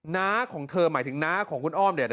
น้าของเธอหมายถึงน้าของคุณอ้อม